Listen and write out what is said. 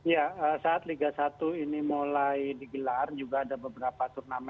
ya saat liga satu ini mulai digelar juga ada beberapa turnamen